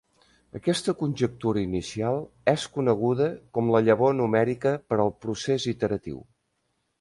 Aquesta conjectura inicial és coneguda com la llavor numèrica per al procés iteratiu.